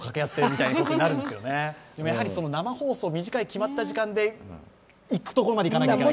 生放送、短い決まった時間でいくところまでいかなきゃっていう。